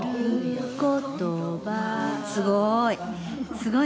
すごい。